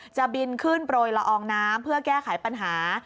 จะบินขึ้นโปรยละอองน้ำเพื่อแก้ไขปัญหา